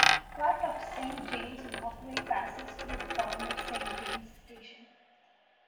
Part of Saint James Walkway passes through the former Saint James Station.